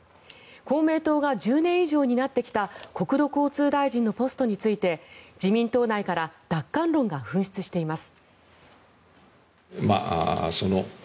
公明党が１０年以上担ってきた国土交通大臣のポストについて自民党内から奪還論が噴出しています。